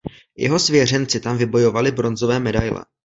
Jeho svěřenci tam vybojovali bronzové medaile.